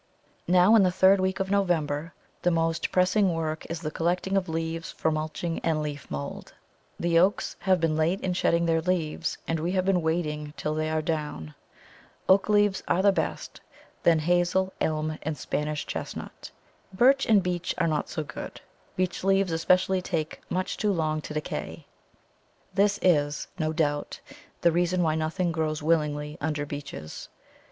Now, in the third week of November, the most pressing work is the collecting of leaves for mulching and leaf mould. The oaks have been late in shedding their leaves, and we have been waiting till they are down. Oak leaves are the best, then hazel, elm, and Spanish chestnut. Birch and beech are not so good; beech leaves especially take much too long to decay. This is, no doubt, the reason why nothing grows willingly under beeches.